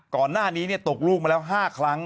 ก่อนหน้านี้ตกลูกมาแล้ว๕ครั้ง